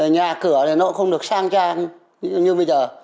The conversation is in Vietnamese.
nhà cửa thì nó cũng không được sang trang như bây giờ